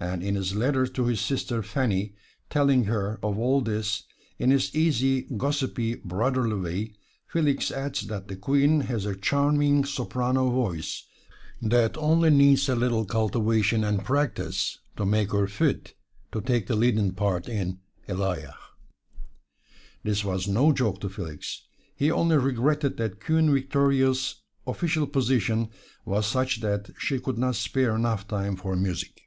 And in his letter to his sister Fanny, telling her of all this, in his easy, gossipy, brotherly way, Felix adds that the Queen has a charming soprano voice, that only needs a little cultivation and practise to make her fit to take the leading part in "Elijah." This was no joke to Felix he only regretted that Queen Victoria's official position was such that she could not spare enough time for music.